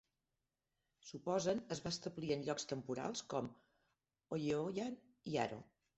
Soposan es va establir en llocs temporals com Oke-Oyan i Aro.